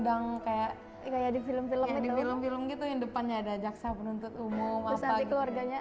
makanya hanya duduk duduk saja